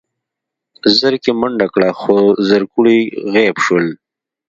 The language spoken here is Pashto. زرکې منډه کړه خو زرکوړي غيب شول.